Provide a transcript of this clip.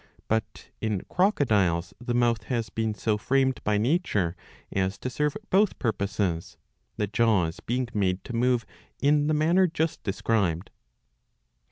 But in crocodiles the mouth has been so franied by nature as to serve both purposes, the jaws being made to move in the manner just described.